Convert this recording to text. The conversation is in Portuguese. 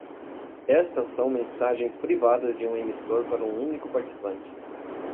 Estas são mensagens privadas de um emissor para um único participante.